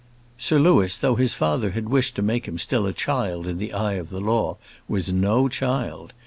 Sir Louis, though his father had wished to make him still a child in the eye of the law, was no child.